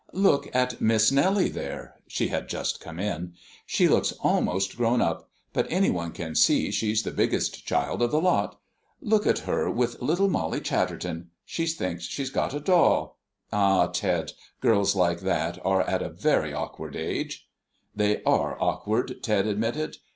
Look at Miss Nellie there." (She had just come in.) "She looks almost grown up, but any one can see she's the biggest child of the lot. Look at her with little Molly Chatterton she thinks she's got a doll. Ah, Ted, girls like that are at a very awkward age." "They are awkward," Ted admitted.